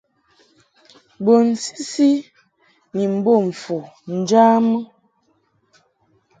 Bun sisi ni mbom fu njamɨ.